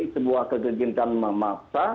sebuah kepentingan memaksa dan negara